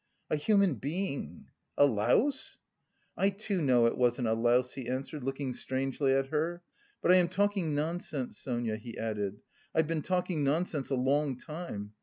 "A human being a louse!" "I too know it wasn't a louse," he answered, looking strangely at her. "But I am talking nonsense, Sonia," he added. "I've been talking nonsense a long time....